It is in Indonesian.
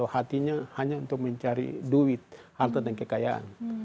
hatinya hanya untuk mencari duit harta dan kekayaan